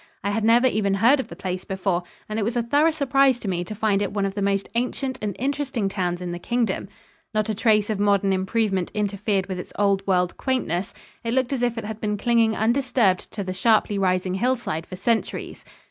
I had never even heard of the place before, and it was a thorough surprise to me to find it one of the most ancient and interesting towns in the Kingdom. Not a trace of modern improvement interfered with its old world quaintness it looked as if it had been clinging undisturbed to the sharply rising hillside for centuries.